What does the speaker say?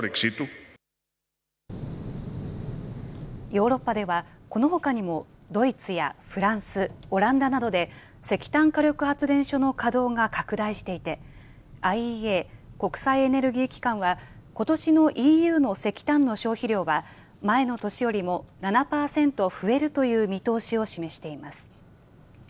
ヨーロッパでは、このほかにもドイツやフランス、オランダなどで石炭火力発電所の稼働が拡大していて、ＩＥＡ・国際エネルギー機関はことしのＥＵの石炭の消費量は前の年よりも７％増えるという見通しを示しています。